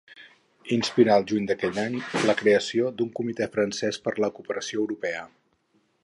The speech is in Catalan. Inspirà al juny d'aquell any la creació d'un comitè francès per la cooperació europea.